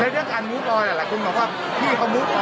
แล้วเรื่องการมูลออนอะไรล่ะคุณบอกว่าพี่เขามูลออน